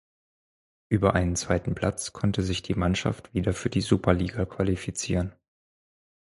Über einen zweiten Platz konnte sich die Mannschaft wieder für die Superliga qualifizieren.